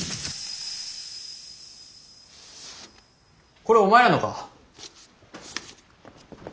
これお前らのか？